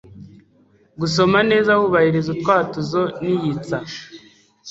Gusoma neza wubahiriza utwatuzo n'iyitsa.